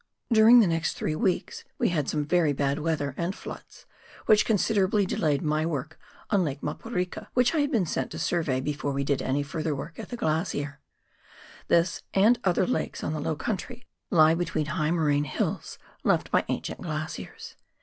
During the next three weeks we had some very bad weather and floods, which considerably delayed my work on Lake Maporika, which I had been sent to survey before we did any further work at the glacier. This, and other lakes on the low country, lie between high moraine hills left by ancient glaciers.